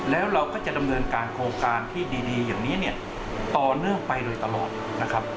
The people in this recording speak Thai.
แล้วเราก็จะดำเนินการโครงการที่ดีอย่างนี้เนี่ยต่อเนื่องไปโดยตลอดนะครับ